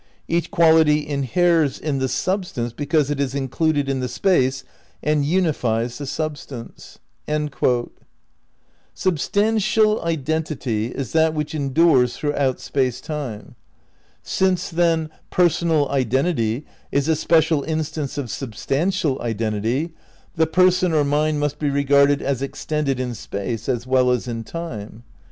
Each quality inheres in the substance because it is included in the space and unifies the substance." ^ Substantial identity is that which endures through ' Space, Time and Deity, Vol. I, p. 274. V THE CRITICAL PREPARATIONS 187 out Space Time. Since, then, "Personal identity is a special instance of substantial identity," the person or mind must be regarded as extended in space as well as in time.